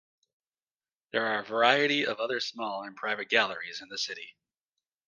There are a variety of other small and private galleries in the city.